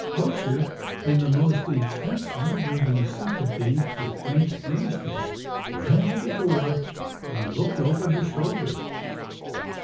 Poacher, in the most intense vibrating sympathy with Hank's earnestness, ran to the door, and looked over his shoulder.